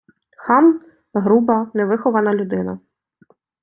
Хам — груба, невихована людина